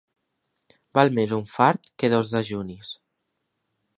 Val més un fart que dos dejunis.